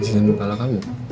gak bisa nyalah nyalah kamu